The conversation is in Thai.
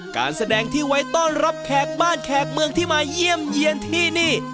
การแสดงที่ไว้ต้อนรับแขกบ้านแขกเมืองที่มาเยี่ยมเยี่ยนที่นี่